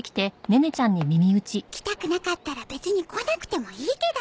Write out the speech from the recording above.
来たくなかったら別に来なくてもいいけど。